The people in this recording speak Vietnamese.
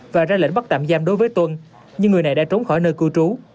và ra lệnh bắt tạm giam đối với tuân nhưng người này đã trốn khỏi nơi cư trú